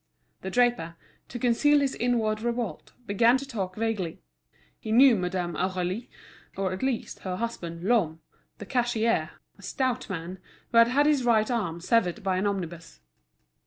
The draper, to conceal his inward revolt, began to talk vaguely. He knew Madame Aurélie, or, at least, her husband, Lhomme, the cashier, a stout man, who had had his right arm severed by an omnibus.